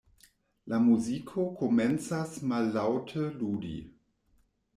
La muziko komencas mallaŭte ludi.